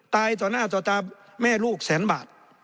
ต่อหน้าต่อตาแม่ลูกแสนบาท